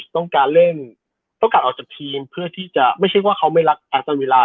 ต้องการเล่นต้องการออกจากทีมเพื่อที่จะไม่ใช่ว่าเขาไม่รักแอฟตอนเวลา